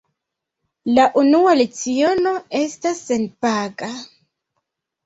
La unua leciono estas senpaga.